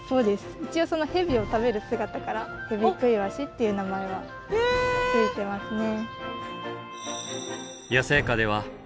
一応そのヘビを食べる姿からヘビクイワシっていう名前は付いてますね。